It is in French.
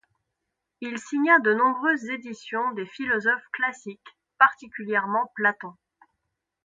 Il signa de nombreuses éditions des philosophes classiques, particulièrement Platon.